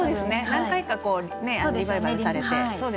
何回かリバイバルされて。